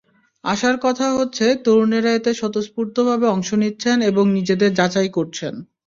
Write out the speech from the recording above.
আশার কথা হচ্ছে তরুণেরা এতে স্বতঃস্ফূর্তভাবে অংশ নিচ্ছেন এবং নিজেদের যাচাই করছেন।